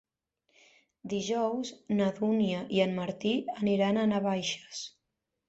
Dijous na Dúnia i en Martí aniran a Navaixes.